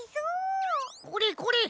これこれ。